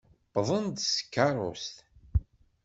Wwḍen-d s tkeṛṛust.